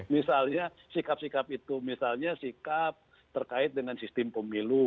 misalnya sikap sikap itu misalnya sikap terkait dengan sistem pemilu